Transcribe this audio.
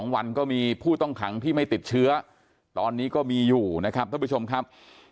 ๒วันก็มีผู้ต้องขังที่ไม่ติดเชื้อตอนนี้ก็มีอยู่นะครับท่านผู้ชมครับ